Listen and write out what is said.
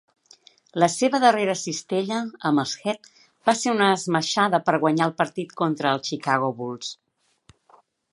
La seva darrera cistella amb els Heat va ser una esmaixada per guanyar el partit contra els Chicago Bulls.